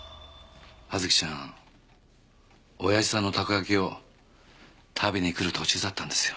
葉月ちゃん親父さんのたこ焼きを食べに来る途中だったんですよ。